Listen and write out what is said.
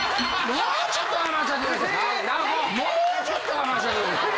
もうちょっと我慢。